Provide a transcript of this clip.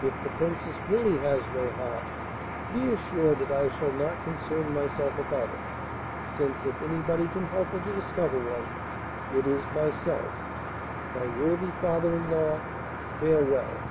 If the Princess really has no heart, be assured that I shall not concern myself about it, since, if anybody can help her to discover one, it is myself. My worthy father in law, farewell!